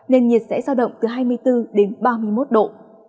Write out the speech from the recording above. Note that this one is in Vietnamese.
nền nhiệt sẽ giao động từ hai mươi bốn đến ba mươi một độ